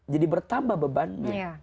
jadi bertambah bebannya